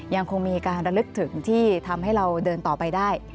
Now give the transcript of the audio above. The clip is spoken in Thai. ยังคงมีการระลึกถึงที่ทำให้เราเดินต่อไปได้